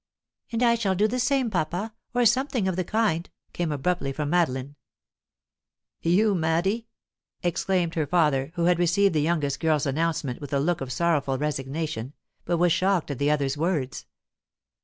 "And I shall do the same, papa or something of the kind," came abruptly from Madeline. "You, Maddy?" exclaimed her father, who had received the youngest girl's announcement with a look of sorrowful resignation, but was shocked at the other's words.